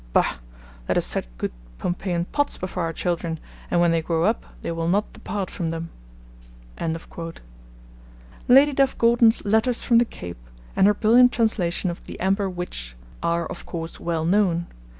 Bah! let us set good Pompeian Pots before our children, and when they grow up they will not depart from them. Lady Duff Gordon's Letters from the Cape, and her brilliant translation of The Amber Witch, are, of course, well known.